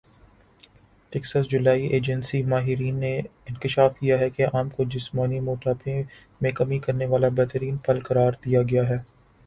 Texas جولائی agency ماہرین نے انکشاف کیا ہے کہ آم کو جسمانی موٹاپے میں کمی کرنے والا بہترین پھل قرار دیا گیا ہے